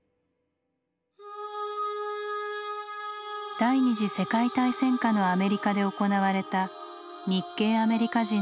第二次世界大戦下のアメリカで行われた日系アメリカ人の強制収容。